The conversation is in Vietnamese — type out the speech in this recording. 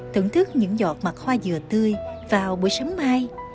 thưởng thức những giọt mặt hoa dừa tươi vào buổi sáng mai